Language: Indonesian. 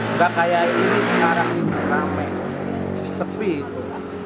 nggak kayak ini sekarang ini rame sepi itu